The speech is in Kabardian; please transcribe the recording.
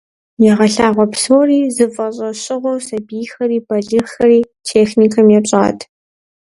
Ягъэлъагъуэ псори зыфӏэщӏэщыгъуэ сабийхэри балигъхэри техникэм епщӏат.